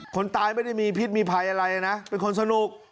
คนตายไม่ได้มีพิษมีภัยอะไรนะเป็นคนสนุก